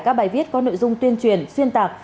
các bài viết có nội dung tuyên truyền xuyên tạc